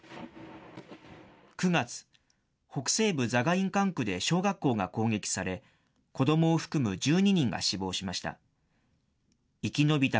９月、北西部ザガイン管区で小学校が攻撃され、子どもを含む１２人が死亡しました。